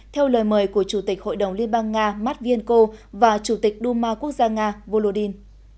theo lời mời của chủ tịch hội đồng liên bang nga mát viên cô và chủ tịch đu ma quốc gia nga volodin